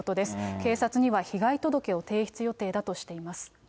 警察には被害届を提出予定だとしています。